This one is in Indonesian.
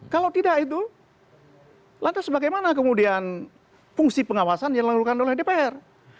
kalau tidak itu lantas bagaimana kemudian fungsi pengawasan yang dilakukan oleh dpr